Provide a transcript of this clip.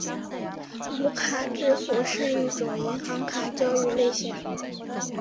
无卡支付是一种银行卡交易类型。